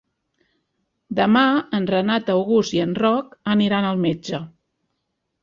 Demà en Renat August i en Roc aniran al metge.